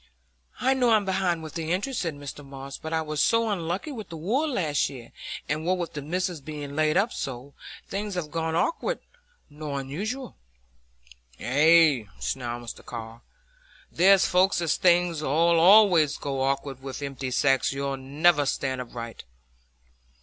"I know I'm behind with the interest," said Mr Moss, "but I was so unlucky wi' the wool last year; and what with the Missis being laid up so, things have gone awk'arder nor usual." "Ay," snarled Mr Tulliver, "there's folks as things 'ull allays go awk'ard with; empty sacks 'ull never stand upright."